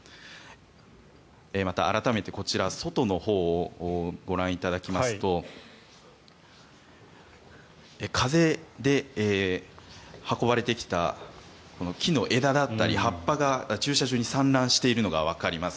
また、改めてこちら外のほうをご覧いただきますと風で運ばれてきた木の枝だったり葉っぱが駐車場に散乱しているのがわかります。